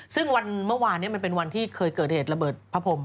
ซึ่งวันเมื่อวานนี้มันเป็นวันที่เคยเกิดเหตุระเบิดพระพรม